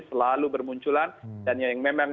selalu bermunculan dan yang memang